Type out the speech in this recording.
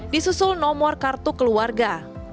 disusul nomor kartu keluarga